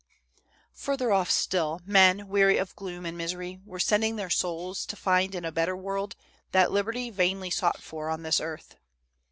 "Further off still, men, weary of gloom and misery, were sending their souls to find in a better world that liberty vainly sought for on this earth.